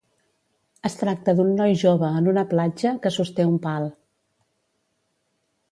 Es tracta d'un noi jove en una platja que sosté un pal.